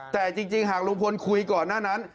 แต่จริงหากลุงพลคุยก่อนหน้านั้น